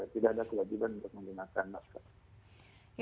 tidak ada kewajiban untuk menggunakan masker